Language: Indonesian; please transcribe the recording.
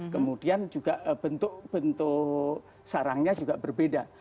kemudian juga bentuk bentuk sarangnya juga berbeda